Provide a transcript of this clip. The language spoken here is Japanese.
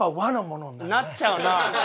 なっちゃうな。